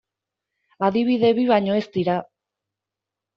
Adibide bi baino ez dira.